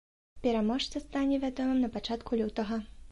Пераможца стане вядомым на пачатку лютага.